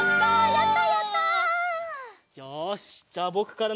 やった！